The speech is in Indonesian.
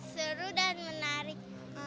seru dan menarik